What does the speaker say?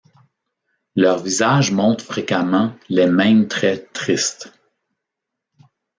Leur visages montrent fréquemment les mêmes traits tristes.